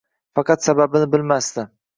faqat sababini bilmasdi.